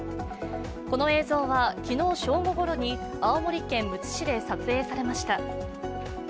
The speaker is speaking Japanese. この映像は昨日正午ごろに青森県むつ市で撮影されました。